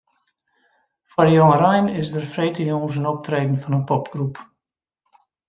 Foar de jongerein is der de freedtejûns in optreden fan in popgroep.